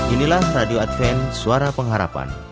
inilah radio advent suara pengharapan